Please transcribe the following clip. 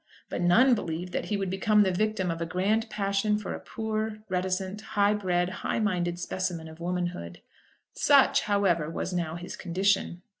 But none believed that he would become the victim of a grand passion for a poor, reticent, high bred, high minded specimen of womanhood. Such, however, was now his condition.